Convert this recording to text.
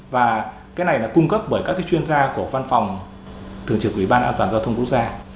và cái này là cung cấp bởi các chuyên gia của văn phòng thường trực ủy ban an toàn giao thông quốc gia